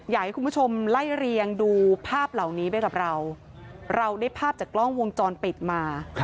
อยากให้คุณผู้ชมไล่เรียงดูภาพเหล่านี้ไปกับเราเราได้ภาพจากกล้องวงจรปิดมา